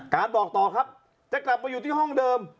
บอกต่อครับจะกลับมาอยู่ที่ห้องเดิม